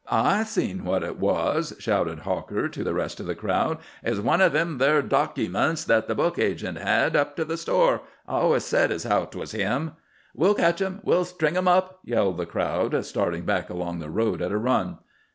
"I seen what it was," shouted Hawker to the rest of the crowd. "It was one o' them there dokyments that the book agent had, up to the store. I always said as how 'twas him." "We'll ketch him!" "We'll string him up!" yelled the crowd, starting back along the road at a run.